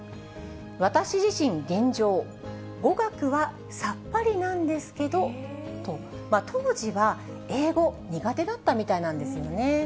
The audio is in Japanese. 私自身、現状、語学はさっぱりなんですけどと、当時は英語、苦手だったみたいなんですよね。